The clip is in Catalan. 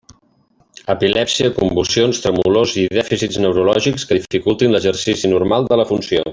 Epilèpsia, convulsions, tremolors i dèficits neurològics que dificultin l'exercici normal de la funció.